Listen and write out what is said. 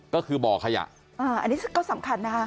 ก็คือบ่อขยะอันนี้ก็สำคัญนะคะ